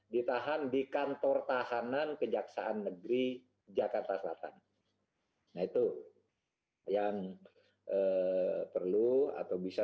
ditahan di kantor tahanan kejaksaan negeri jakarta selatan nah itu yang perlu atau bisa